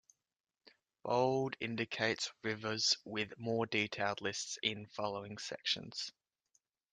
Bold indicates rivers with more detailed lists in following sections.